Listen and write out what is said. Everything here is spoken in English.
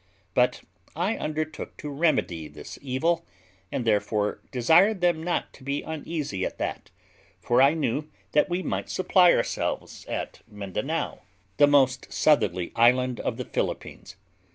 But I undertook to remedy this evil, and therefore desired them not to be uneasy at that, for I knew that we might supply ourselves at Mindanao, the most southerly island of the Philippines.